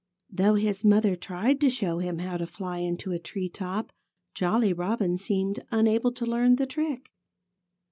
Though his mother tried to show him how to fly into a tree top, Jolly Robin seemed unable to learn the trick.